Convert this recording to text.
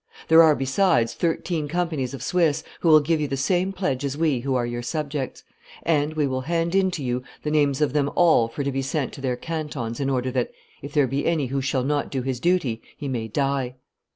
There are, besides, thirteen companies of Swiss, who will give you the same pledge as we who are your subjects; and we will hand in to you the names of them all for to be sent to their cantons in order that, if there be any who shall not do his duty, he may die.